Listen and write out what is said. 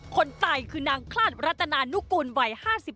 คนตายคือนางคลาดรัตนานุกูลวัย๕๓